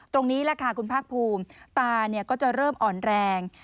ตรงนี้แหละค่ะคุณภาคภูมิตาก็จะเริ่มอ่อนแรง